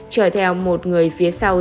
chở theo một người phía sau